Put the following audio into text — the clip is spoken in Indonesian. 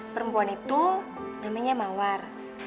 perempuan itu namanya mawar